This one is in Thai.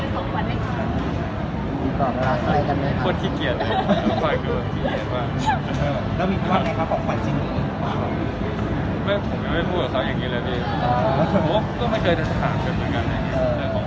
ก็ไม่ได้ผ่านทางโซเชียลมัน